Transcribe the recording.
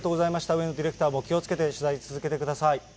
上野ディレクターも気をつけて取材続けてください。